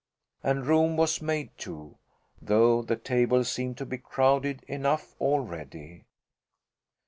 And room was made, too, though the table seemed to be crowded enough already.